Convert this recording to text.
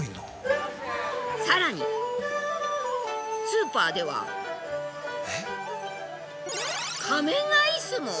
更にスーパーでは仮面アイスも！